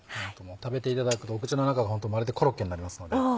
食べていただくと口の中がまるでコロッケになりますので。